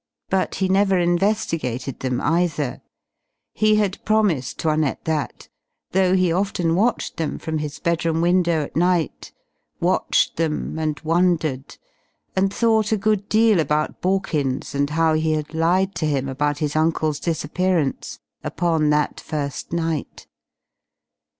But he never investigated them either. He had promised 'Toinette that, though he often watched them from his bedroom window, at night, watched them and wondered, and thought a good deal about Borkins and how he had lied to him about his uncle's disappearance upon that first night.